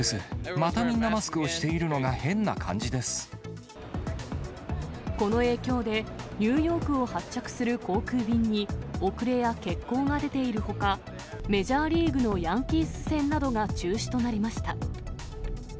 またみんなマスクをしているのがこの影響で、ニューヨークを発着する航空便に遅れや欠航が出ているほか、メジャーリーグのヤンキース戦などが中止となりました。